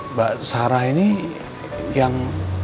mbak sarah ini yang